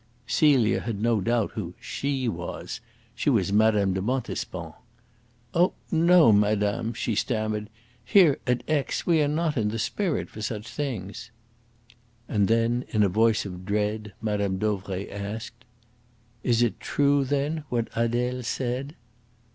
Celia had no doubt who "she" was. She was Mme. de Montespan. "Oh, no, madame!" she stammered. "Here, at Aix, we are not in the spirit for such things." And then, in a voice of dread, Mme. Dauvray asked: "Is it true, then, what Adele said?"